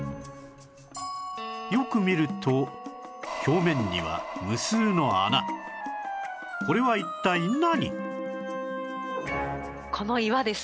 よく見ると表面にはこれは一体何？